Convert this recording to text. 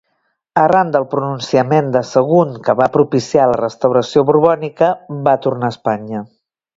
Arran del pronunciament de Sagunt que va propiciar la restauració borbònica va tornar a Espanya.